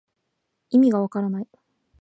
いみがわからない